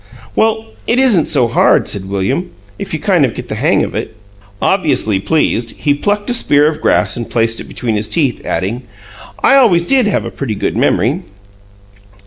"Well, it isn't so hard," said William, "if you kind of get the hang of it." Obviously pleased, he plucked a spear of grass and placed it between his teeth, adding, "I always did have a pretty good memory."